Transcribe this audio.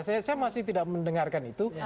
saya masih tidak mendengarkan itu